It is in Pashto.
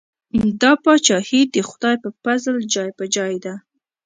دا پاچاهي د خدای په پزل جای په جای ده.